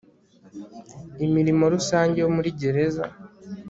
imirimo rusange yo muri gereza